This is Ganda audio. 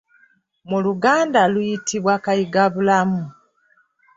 Mu Luganda liyitibwa Kayigabulamu.